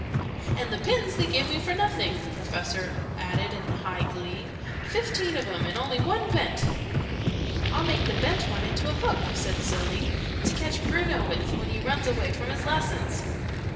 "And the pins they gave me for nothing!" the Professor added in high glee. "Fifteen of 'em, and only one bent!" "I'll make the bent one into a hook!" said Sylvie. "To catch Bruno with, when he runs away from his lessons!"